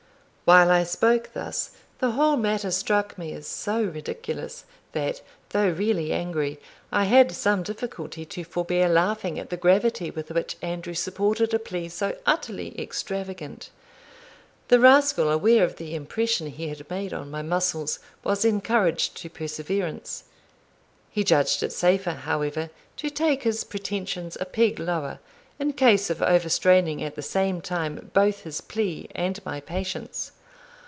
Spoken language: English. While I spoke thus, the whole matter struck me as so ridiculous, that, though really angry, I had some difficulty to forbear laughing at the gravity with which Andrew supported a plea so utterly extravagant. The rascal, aware of the impression he had made on my muscles, was encouraged to perseverance. He judged it safer, however, to take his pretensions a peg lower, in case of overstraining at the same time both his plea and my patience.